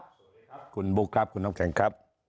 สวัสดีครับคุณบุ๊คครับคุณน้ำแข็งครับ